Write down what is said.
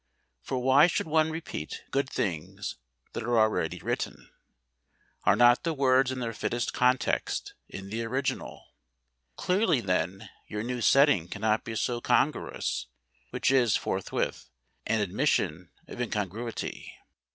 For why should one repeat good things that are already written? Are not the words in their fittest context in the original? Clearly, then, your new setting cannot be quite so congruous, which is, forthwith, an admission of incongruity.